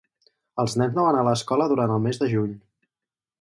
Els nens no van a l'escola durant el mes de juny.